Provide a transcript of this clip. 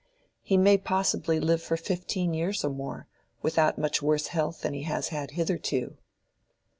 He may possibly live for fifteen years or more, without much worse health than he has had hitherto."